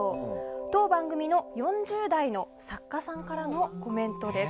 当番組の４０代の作家さんからのコメントです。